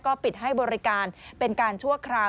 ปิดให้บริการเป็นการชั่วคราว